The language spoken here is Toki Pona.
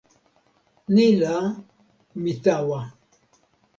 ni la, mi tawa.